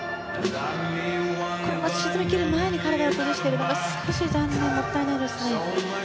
沈み切る前に体をそらしているのが少し残念でもったいないですね。